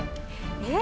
えっ？